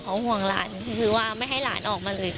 เขาห่วงหลานคือว่าไม่ให้หลานออกมาเลย